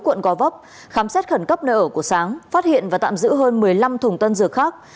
quận gò vấp khám xét khẩn cấp nơi ở của sáng phát hiện và tạm giữ hơn một mươi năm thùng tân dược khác